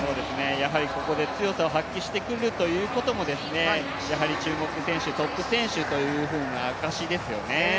やはりここで強さを発揮してくるということも、やはり注目選手、トップ選手ということの証しですよね。